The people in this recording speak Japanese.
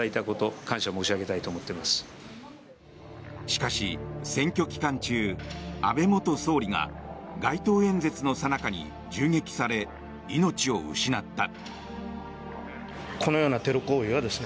しかし、選挙期間中安倍元総理が街頭演説のさなかに銃撃され命を失った。